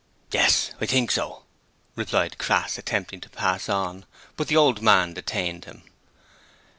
'Yes, I think so,' replied Crass, attempting to pass on; but the old man detained him.